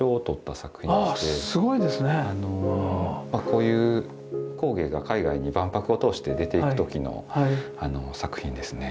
こういう工芸が海外に万博を通して出ていく時の作品ですね。